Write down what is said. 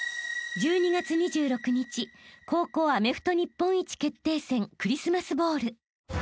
［１２月２６日高校アメフト日本一決定戦クリスマスボウル］